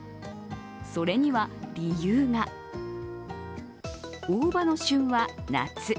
それには理由が大葉の旬は夏。